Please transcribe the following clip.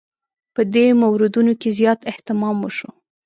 په دې موردونو کې زیات اهتمام وشو.